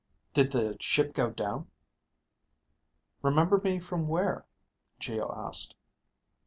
Did the ship go down?" "Remember me from where?" Geo asked.